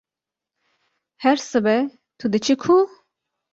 Her sibe tu diçî ku?